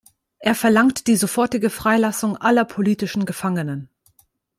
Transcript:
Er verlangt die sofortige Freilassung aller politischen Gefangenen.